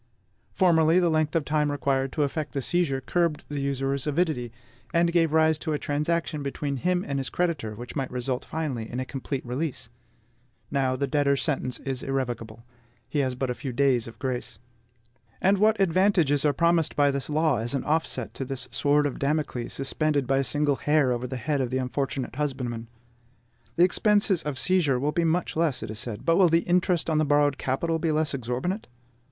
Formerly, the length of time required to effect the seizure curbed the usurer's avidity, gave the borrower an opportunity to recover himself, and gave rise to a transaction between him and his creditor which might result finally in a complete release. Now, the debtor's sentence is irrevocable: he has but a few days of grace. And what advantages are promised by this law as an offset to this sword of Damocles, suspended by a single hair over the head of the unfortunate husbandman? The expenses of seizure will be much less, it is said; but will the interest on the borrowed capital be less exorbitant?